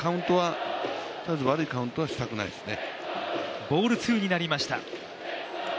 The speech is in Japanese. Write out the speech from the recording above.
悪いカウントはしたくないですね。